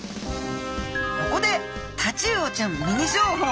ここでタチウオちゃんミニ情報。